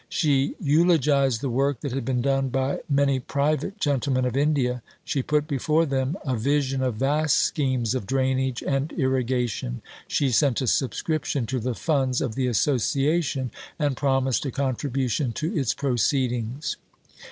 She eulogized the work that had been done by many private gentlemen of India; she put before them a vision of vast schemes of drainage and irrigation; she sent a subscription to the funds of the Association, and promised a contribution to its Proceedings.